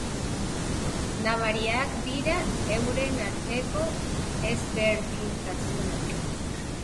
Nabariak dira euren arteko ezberdintasunak.